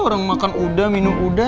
orang makan udah minum udah